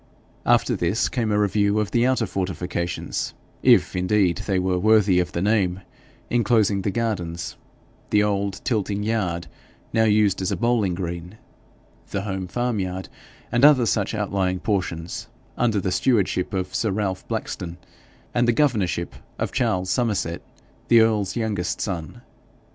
After this came a review of the outer fortifications if, indeed, they were worthy of the name enclosing the gardens, the old tilting yard, now used as a bowling green, the home farmyard, and other such outlying portions under the stewardship of sir Ralph Blackstone and the governorship of Charles Somerset, the earl's youngest son.